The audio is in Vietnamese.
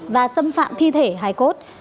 và xâm phạm thi thể hái cốt